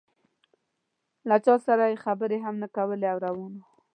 له چا سره یې خبرې هم نه کولې او روان و.